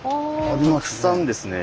ありますね。